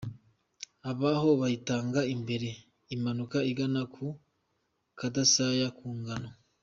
Ab’aho bayitanga imbere imanuka igana mu Kadasaya ka Ngoma.